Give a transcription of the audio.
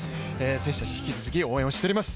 選手たち引き続き応援をしております。